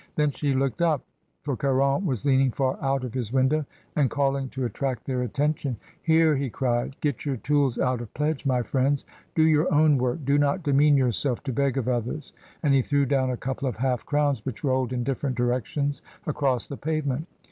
Then she looked up, for Caron was leaning far out of his window, and calling to attract their attention. "Here," he cried, "get your tools out of pledge, my friends; do your own work; do not demean yourself MONSIEUR CARON'S HISTORY OF SOCIALISM. 211 to beg of Others," and he threw down a couple of half crowns, which rolled in different directions across the pavement.